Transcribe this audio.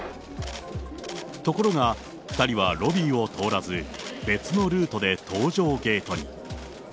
ところが、２人はロビーを通らず、別のルートで搭乗ゲートに。